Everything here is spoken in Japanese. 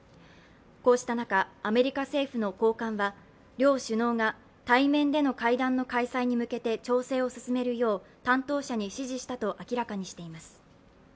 こうした中、アメリカ政府の高官は両首脳が対面での会談の開催に向けて調整を進めるよう担当者に指示したと明らかにしています。